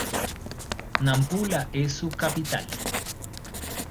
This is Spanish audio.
Nampula es su capital.